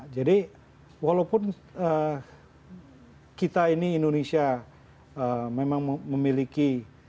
jadi walaupun kita ini indonesia memang memiliki